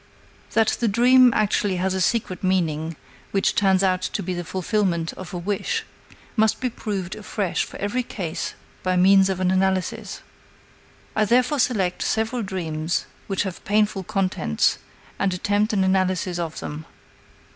That the dream actually has a secret meaning, which turns out to be the fulfillment of a wish, must be proved afresh for every case by means of an analysis. I therefore select several dreams which have painful contents and attempt an analysis of them.